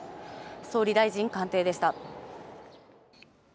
総理大臣官邸でした。